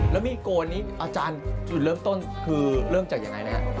แล้วมีโกนนี้อาจารย์จุดเริ่มต้นคือเริ่มจากยังไงนะฮะ